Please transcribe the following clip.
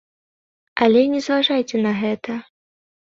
Але не зважайце на гэта.